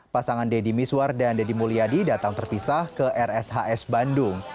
pasangan deddy miswar dan deddy mulyadi datang terpisah ke rshs bandung